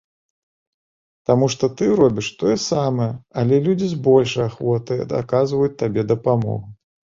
Таму што ты робіш тое самае, але людзі з большай ахвотай аказваюць табе дапамогу.